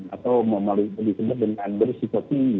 atau memiliki kebutuhan dengan berisiko tinggi